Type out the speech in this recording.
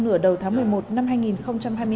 nửa đầu tháng một mươi một năm hai nghìn hai mươi bốn